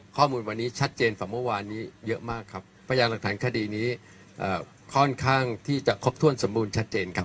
ข้อมูลวันนี้ชัดเจนฝั่งเมื่อวานนี้เยอะมากครับพยานหลักฐานคดีนี้ค่อนข้างที่จะครบถ้วนสมบูรณ์ชัดเจนครับ